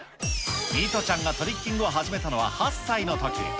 弥都ちゃんがトリッキングを始めたのは８歳のとき。